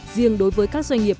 riêng đối với các doanh nghiệp